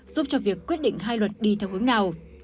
giúp cho việc quyết định hai luật đi theo hướng nào